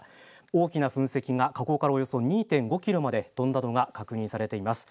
大きな噴石が火口からおよそ２．５キロまで飛んだのが確認されています。